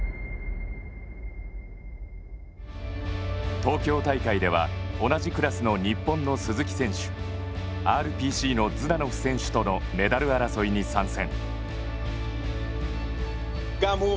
東京大会では同じクラスの日本の鈴木選手ＲＰＣのズダノフ選手とのメダル争いに参戦。